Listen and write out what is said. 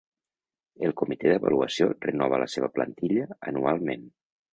El comitè d'Avaluació renova la seva plantilla anualment.